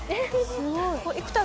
すごい。